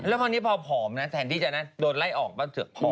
แล้วพอพอมนะแถมที่จะนะโดนไล่ออกก็เฉียบ